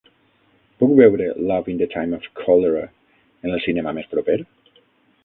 Puc veure "Love in the Time of Cholera" en el cinema més proper?